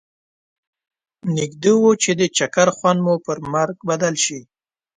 نږدي و چې د چکر خوند مو پر مرګ بدل شي.